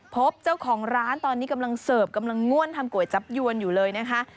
พบเจ้าของร้านตอนนี้กำลังเสิร์ฟกำลังง่วนทำก๋วยจับยวนอยู่เลยนะคะ